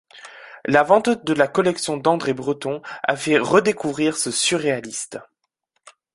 La vente de la collection d’André Breton a fait redécouvrir ce surréaliste...